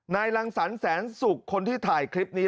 รังสรรแสนสุกคนที่ถ่ายคลิปนี้